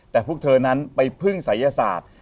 แต่พวกเธอนั้นไปพึ่งศัยศาสตร์